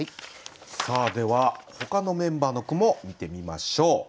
さあではほかのメンバーの句も見てみましょう。